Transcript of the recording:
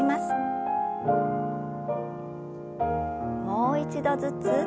もう一度ずつ。